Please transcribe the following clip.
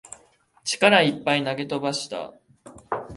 力いっぱい投げ飛ばした